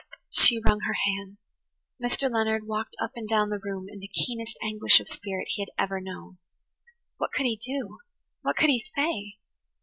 She wrung her hands. Mr. Leonard walked up and down the room in the keenest anguish of spirit he had ever known. What could he do? What could he say?